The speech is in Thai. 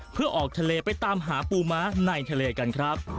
เพื่อออกทะเลไปตามหาปูม้าในทะเลกันครับ